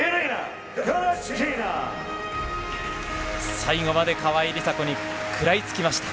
最後まで川井梨紗子に食らいつきました。